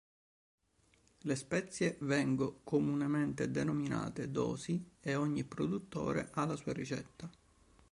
Le spezie vengo comunemente denominate dosi e ogni produttore ha la sua ricetta.